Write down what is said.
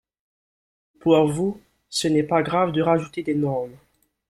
Pour vous, ce n’est pas grave de rajouter des normes